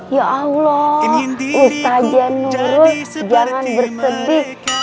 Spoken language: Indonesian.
ya allah ustazah nurut jangan bersedih